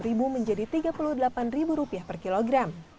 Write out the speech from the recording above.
rp tiga puluh enam menjadi rp tiga puluh delapan per kilogram